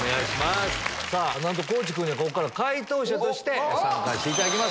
地君はここから解答者として参加していただきます。